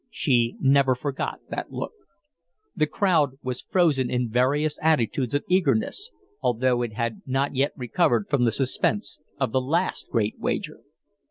She never forgot that look. The crowd was frozen in various attitudes of eagerness, although it had not yet recovered from the suspense of the last great wager.